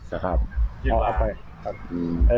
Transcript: อ๋อเอาออกไป